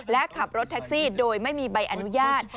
และขับรถแท็กซี่โดยไม่มีใบอนุญาต